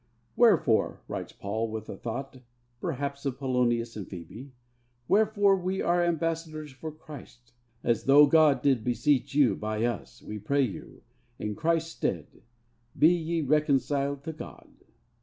'Wherefore,' writes Paul, with a thought, perhaps, of Polonius and Phebe, 'wherefore we are ambassadors for Christ, as though God did beseech you by us, we pray you, in Christ's stead, be ye reconciled to God.'